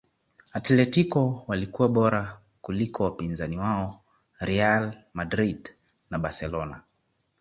atletico walikuwa bora kuliko wapinzani wao real madrid na barcelona